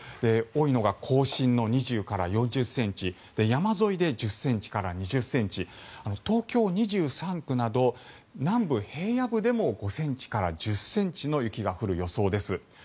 多いのが甲信の２０ｃｍから４０ｃｍ山沿いで１０ｃｍから２０ｃｍ東京２３区など南部平野部でも５ｃｍから１０ｃｍの雪が降る予想です。